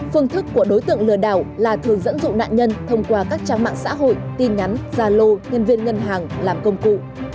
phương thức của đối tượng lừa đảo là thường dẫn dụ nạn nhân thông qua các trang mạng xã hội tin nhắn gia lô nhân viên ngân hàng làm công cụ